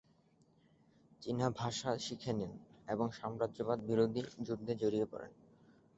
চীনা ভাষা শিখে নেন এবং সাম্রাজ্যবাদ বিরোধী যুদ্ধে জড়িয়ে পড়েন।